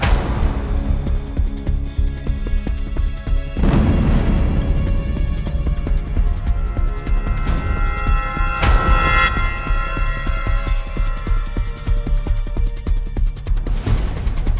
tante itu sudah berubah